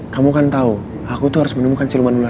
kamu kan tau aku tuh harus menemukan celuman ular